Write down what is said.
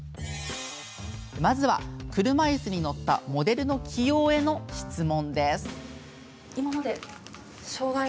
まずは、車いすに乗ったモデルの起用への質問。